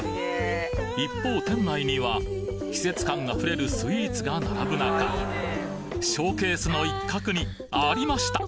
一方店内には季節感あふれるスイーツが並ぶ中ショーケースの一角にありました！